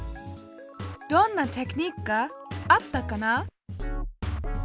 どんなテクニックがあったかな？